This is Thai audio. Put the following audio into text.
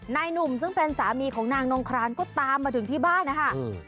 นายหนุ่มซึ่งเป็นสามีของนางนงครานก็ตามมาถึงที่บ้านนะคะ